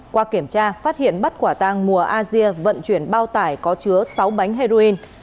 qua kiểm tra phát hiện bắt quả tàng mùa asia vận chuyển bao tải có chứa sáu bánh heroin